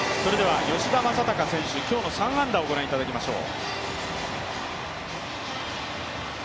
吉田正尚選手、今日の３安打をご覧いただきましょう。